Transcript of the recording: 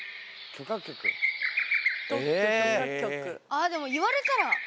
あでも言われたら。